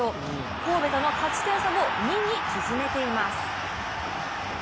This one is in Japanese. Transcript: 神戸との勝ち点差も２に縮めています。